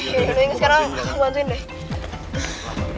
yaudah sekarang gue bantuin deh